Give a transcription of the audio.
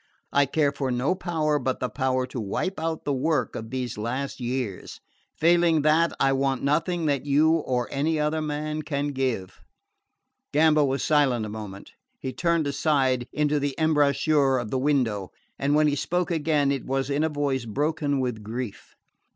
I care for no power but the power to wipe out the work of these last years. Failing that, I want nothing that you or any other man can give." Gamba was silent a moment. He turned aside into the embrasure of the window, and when he spoke again it was in a voice broken with grief.